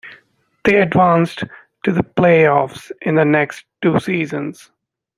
They advanced to the playoffs in the next two seasons.